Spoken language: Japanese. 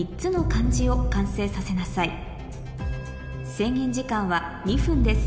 制限時間は２分です